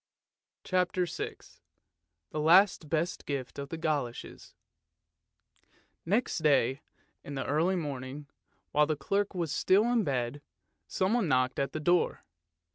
" CHAPTER VI THE LAST BEST GIFT OF THE GOLOSHES Next day in the early morning, while the clerk was still in bed, someone knocked at the door.